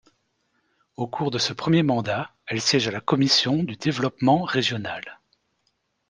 Au cours de ce premier mandat, elle siège à la commission du Développement régional.